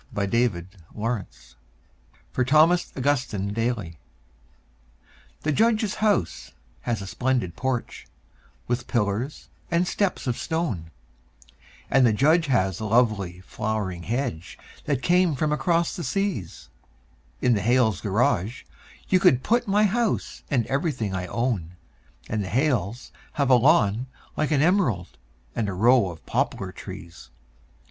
The Snowman in the Yard (For Thomas Augustine Daly) The Judge's house has a splendid porch, with pillars and steps of stone, And the Judge has a lovely flowering hedge that came from across the seas; In the Hales' garage you could put my house and everything I own, And the Hales have a lawn like an emerald and a row of poplar trees.